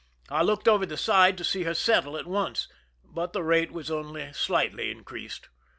I looked over the side to see her settle at once, but the rate was only slightly increased.